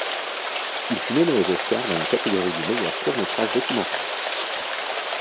Il fut nommé aux Oscars dans la catégorie du meilleur court-métrage documentaire.